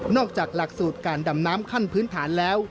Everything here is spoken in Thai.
จากหลักสูตรการดำน้ำขั้นพื้นฐานแล้ว